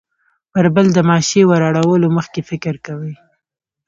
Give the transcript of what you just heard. پر بل د ماشې وراړولو مخکې فکر کوي.